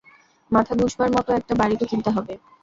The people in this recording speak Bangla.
মাথা গুঁজবার মতো একটা বাড়ি তো কিনতে হবে।